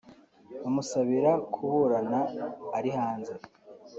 bamusabira kuburana ari hanze